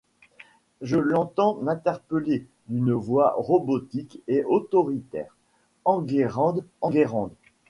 Je l’entends m’interpeller, d’une voix robotique et autoritaire :— Enguerrand, Enguerrand !